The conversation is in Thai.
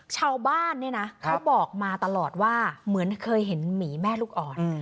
ชาวบ้านเนี่ยนะเขาบอกมาตลอดว่าเหมือนเคยเห็นหมีแม่ลูกอ่อน